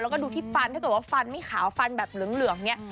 แล้วก็ดูที่ฟันถ้าเกิดว่าฟันไม่ขาวฟันแบบเหลืองเนี่ย